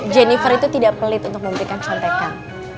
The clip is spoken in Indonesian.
jennifer itu tidak pelit untuk memberikan contekan